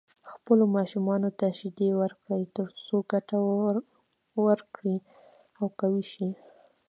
خپلو ماشومانو ته شيدې ورکړئ تر څو ګټه ورکړي او قوي شي.